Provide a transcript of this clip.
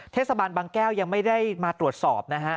เทศบาลบางแก้วยังไม่ได้มาตรวจสอบนะฮะ